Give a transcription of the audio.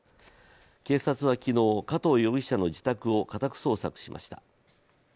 警察は昨日、加藤容疑者の自宅を家宅捜索しました。